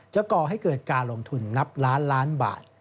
ก่อให้เกิดการลงทุนนับล้านล้านบาท